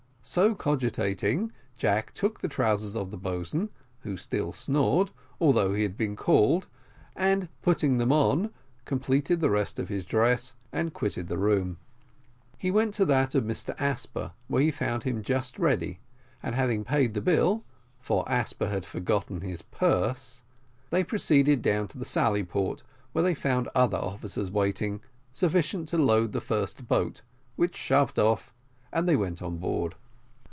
So cogitating, Jack took the trousers of the boatswain, who still snored, although he had been called, and, putting them on, completed the rest of his dress, and quitted the room. He went to that of Mr Asper, where he found him just ready, and, having paid the bill for Asper had forgotten his purse they proceeded down to the sally port, where they found other officers waiting, sufficient to load the first boat, which shoved off, and they went on board.